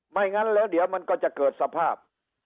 งั้นแล้วเดี๋ยวมันก็จะเกิดสภาพ